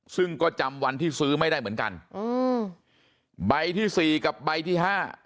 ซึ่งก็จำวันที่ซื้อไม่ได้เหมือนกันอืมใบที่สี่กับใบที่ห้า